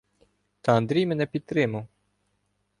Та Андрій мене підтримав.